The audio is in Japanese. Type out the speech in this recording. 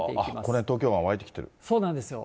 これ、そうなんですよ。